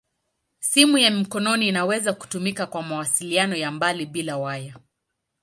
Simu ya mkononi inaweza kutumika kwa mawasiliano ya mbali bila waya.